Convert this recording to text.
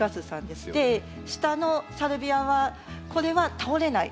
で下のサルビアはこれは倒れない。